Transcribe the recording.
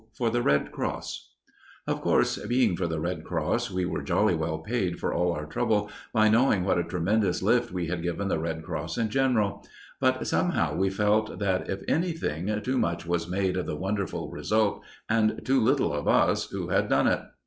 FOR THE RED CROSS Of course, being for the Red Cross, we were jolly well paid for all our trouble by knowing what a tremendous lift we had given the Red Cross in general; but somehow we felt that, if anything, too much was made of the wonderful result, and too little of us, who had done it.